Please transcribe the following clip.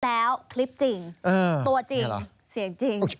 แล้วคลิปจริงตัวจริงเสียงจริง